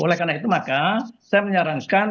oleh karena itu maka saya menyarankan